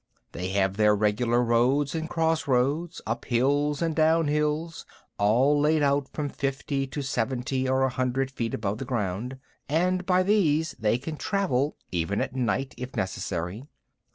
They have their regular roads and crossroads, up hills and down hills, all laid out from fifty to seventy or a hundred feet above ground, and by these they can travel even at night if necessary.